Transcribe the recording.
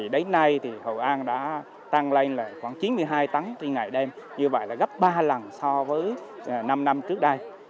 đến nay hội an đã tăng lên khoảng chín mươi hai tắng trên ngày đêm như vậy gấp ba lần so với năm năm trước đây